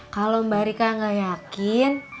kalau mbak rika gak yakin